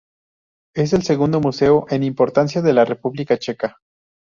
Es el segundo museo en importancia de la República Checa.